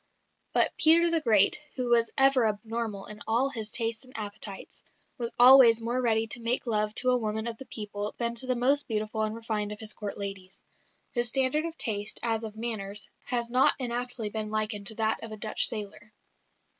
But Peter the Great, who was ever abnormal in all his tastes and appetites, was always more ready to make love to a woman of the people than to the most beautiful and refined of his Court ladies. His standard of taste, as of manners, has not inaptly been likened to that of a Dutch sailor.